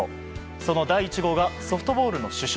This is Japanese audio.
その第１号がソフトボールの主将